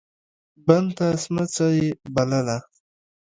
بنده سمڅه يې بلله.